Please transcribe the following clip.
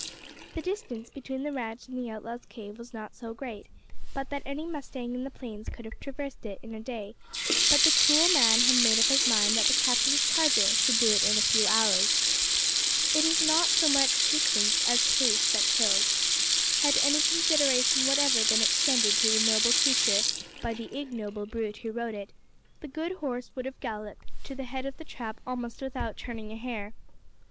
The distance between the ranch and the outlaws' cave was not so great but that any mustang in the plains could have traversed it in a day, but the cruel man had made up his mind that the captain's charger should do it in a few hours. It is not so much distance as pace that kills. Had any consideration whatever been extended to the noble creature by the ignoble brute who rode it, the good horse would have galloped to the head of the Trap almost without turning a hair.